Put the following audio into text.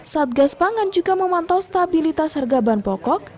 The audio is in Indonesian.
satgas pangan juga memantau stabilitas harga bahan pokok